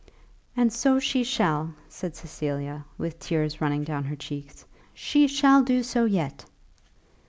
"And so she shall," said Cecilia, with tears running down her cheeks; "she shall do so yet."